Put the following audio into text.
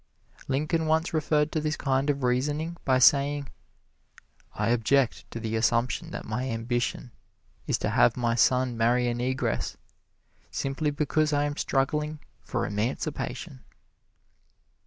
Lincoln once referred to this kind of reasoning by saying, "I object to the assumption that my ambition is to have my son marry a negress, simply because I am struggling for emancipation."